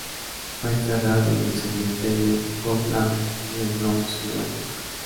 Fue enterrado en el Cementerio Woodlawn, en el Bronx, Nueva York.